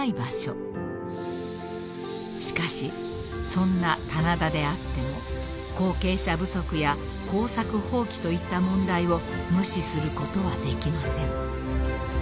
［しかしそんな棚田であっても後継者不足や耕作放棄といった問題を無視することはできません］